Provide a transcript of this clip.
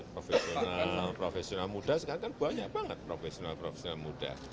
profesional profesional muda sekarang kan banyak banget profesional profesional muda